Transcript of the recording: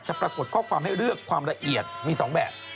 ปรากฏข้อความให้เลือกความละเอียดมี๒แบบ